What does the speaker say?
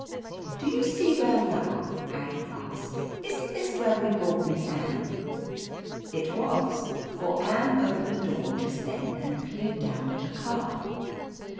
"Do you see where we are?" Aggie asked. "Isn't this where we brought Miss Anne ?" It was, for Anne opened the door just then and peered down at the car.